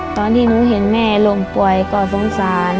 ตอนที่หนูเห็นแม่ลงป่วยก็สงสาร